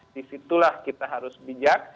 disitulah kita harus bijak